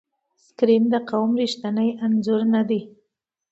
سکرین د قوم ریښتینی انځور نه دی.